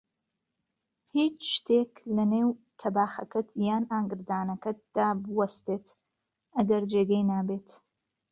هیچ شتێک لەنێو تەباخەکەت یان ئاگردانەکەت دا بووستێت، ئەگەر جێگەی نابێت